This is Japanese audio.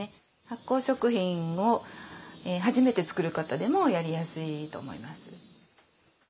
発酵食品を初めて作る方でもやりやすいと思います。